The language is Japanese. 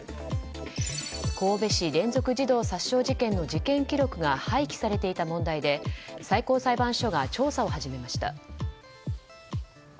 神戸連続児童殺傷事件の事件記録が廃棄されていた問題で最高裁判所が調査を始めました。